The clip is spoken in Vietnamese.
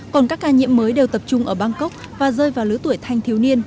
còn các ca nhiễm mới đều tập trung ở bangkok và rơi vào lứa tuổi thanh thiếu niên